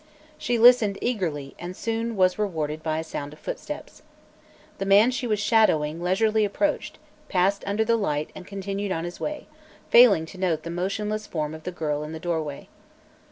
She listened eagerly and soon was rewarded by a sound of footsteps. The man she was shadowing leisurely approached, passed under the light and continued on his way, failing to note the motionless form of the girl in the doorway.